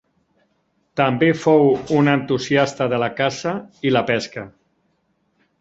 També fou un entusiasta de la caça i la pesca.